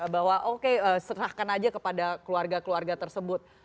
bahwa oke serahkan aja kepada keluarga keluarga tersebut